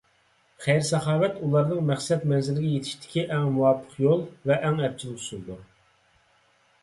خەير - ساخاۋەت ئۇلارنىڭ مەقسەت مەنزىلىگە يېتىشتىكى ئەڭ مۇۋاپىق يول ۋە ئەڭ ئەپچىل ئۇسۇلدۇر.